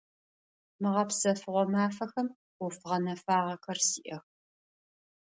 Мы гъэпсэфыгъо мафэхэм ӏоф гъэнэфагъэхэр сиӏэх.